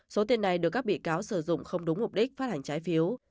số tiền này được các bị cáo sử dụng không đúng mục đích phát hành trái phiếu